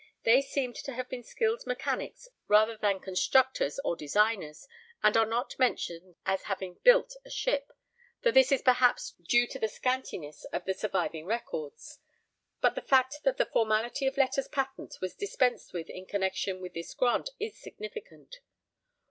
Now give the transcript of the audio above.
They seem to have been skilled mechanics rather than constructors or designers, and are not mentioned as having 'built' a ship, though this is perhaps due to the scantiness of the surviving records; but the fact that the formality of letters patent was dispensed with in connexion with this grant is significant.